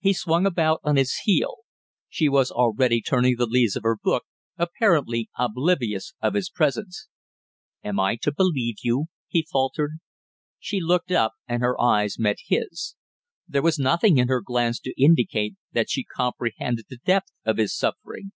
He swung about on his heel. She was already turning the leaves of her book, apparently oblivious of his presence. "Am I to believe you " he faltered. She looked up and her eyes met his. There was nothing in her glance to indicate that she comprehended the depth of his suffering.